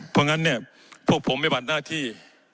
เพราะงั้นเนี่ยพวกผมไม่บัดหน้าที่